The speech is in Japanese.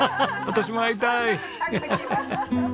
私も会いたい。